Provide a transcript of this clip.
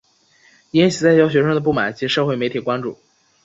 引起在校学生的不满及社会媒体关注。